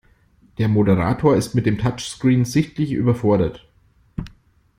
Der Moderator ist mit dem Touchscreen sichtlich überfordert.